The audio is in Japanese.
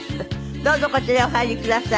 どうぞこちらへお入りください。